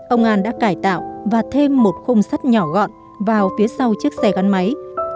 ông an đã cải tạo và thêm một khung sắt nhỏ gọn vào phía sau chiếc xe gắn máy